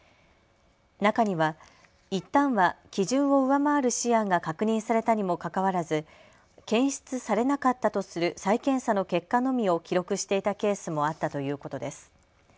中にはいったんは基準を上回るシアンが確認されたにもかかわらず検出されなかったとする再検査の結果のみを記録していたケースもあったということです。